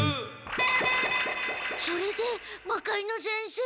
それで魔界之先生。